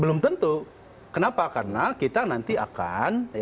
belum tentu kenapa karena kita nanti akan